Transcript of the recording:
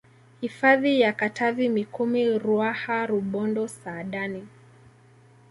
Hifadhi za Katavi Mikumi Ruaha Rubondo Saadani